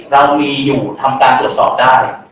เรามีอยู่ทำการตรวจสอบได้